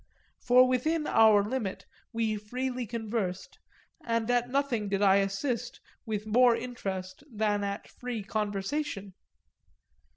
For within our limit we freely conversed, and at nothing did I assist with more interest than at free conversation.